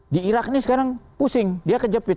di irak ini sekarang pusing dia kejepit